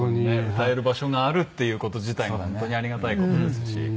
歌える場所があるっていう事自体が本当にありがたい事ですし。